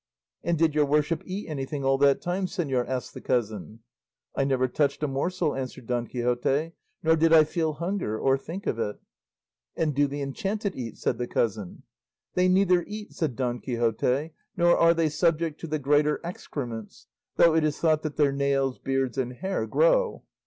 "And did your worship eat anything all that time, señor?" asked the cousin. "I never touched a morsel," answered Don Quixote, "nor did I feel hunger, or think of it." "And do the enchanted eat?" said the cousin. "They neither eat," said Don Quixote; "nor are they subject to the greater excrements, though it is thought that their nails, beards, and hair grow."